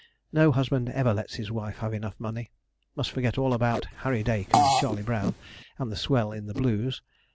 no husband ever let his wife have enough money. Must forget all about Harry Dacre and Charley Brown, and the swell in the Blues.